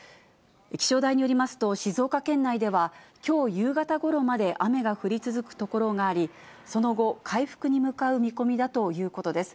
気象台によりますと、静岡県内では、今日夕方ごろまで雨が降り続く所があり、その後、回復に向かう見込みだということです。